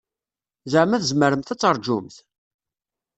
Zeɛma tzemremt ad taṛǧumt?